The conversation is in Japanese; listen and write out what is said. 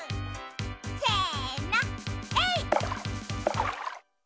せのえいっ！